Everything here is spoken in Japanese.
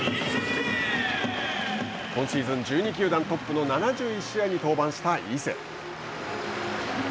今シーズン、１２球団トップの７１試合に登板した伊勢。